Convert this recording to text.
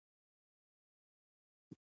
ځغاسته د ماشومانو ذهن ته صفا ورکوي